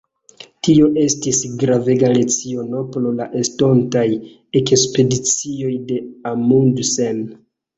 Tio estis gravega leciono por la estontaj ekspedicioj de Amundsen.